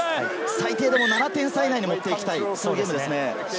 最低でも７点差位内に持っていきたいですね。